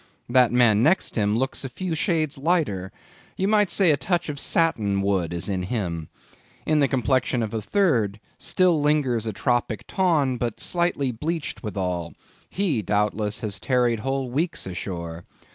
That man next him looks a few shades lighter; you might say a touch of satin wood is in him. In the complexion of a third still lingers a tropic tawn, but slightly bleached withal; he doubtless has tarried whole weeks ashore.